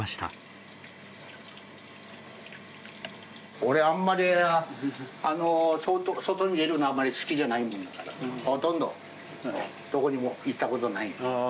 俺あんまり外に出るのが好きじゃないからほとんどどこにも行ったことない。